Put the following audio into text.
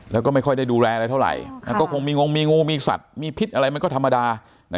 แล้วก็ไม่ค่อยได้ดูแลอะไรเท่าไหร่ก็คงมีงงมีงูมีสัตว์มีพิษอะไรมันก็ธรรมดา